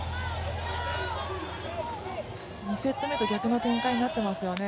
２セット目と逆の展開になってますよね。